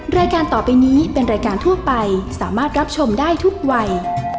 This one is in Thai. รายการต่อไปนี้เป็นรายการทั่วไปสามารถรับชมได้ทุกวัย